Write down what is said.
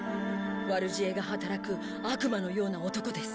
悪知恵が働く悪魔のような男です。